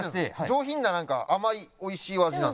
上品ななんか甘いおいしいお味なんです。